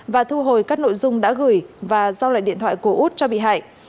và thu hồi các nội dung đã gửi và giao lại điện thoại của út cho bị hại